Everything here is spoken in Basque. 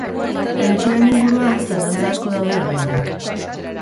Pentsioen inguruan zalantza asko daude oraindik.